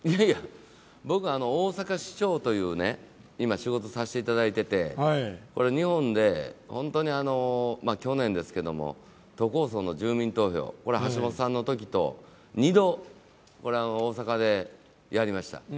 僕は大阪市長という仕事をさせていただいていて日本で本当に去年、都構想の住民投票、これ、橋下さんのときと２度、大阪でやりました。